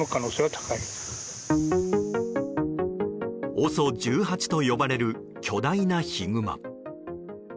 ＯＳＯ１８と呼ばれる巨大なヒグマ。